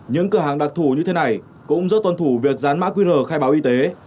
những cửa hàng đặc thủ như thế này cũng rất tuân thủ việc dán mã qr khai báo y tế